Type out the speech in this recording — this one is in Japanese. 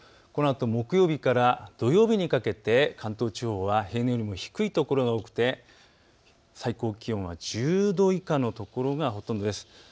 このあと木曜日から土曜日にかけて関東地方は平年よりも低いところが多くて最高気温は１０度以下の所がほとんどです。